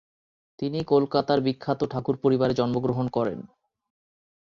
তিনি কলকাতার বিখ্যাত ঠাকুর পরিবারে জন্মগ্রহণ করেন।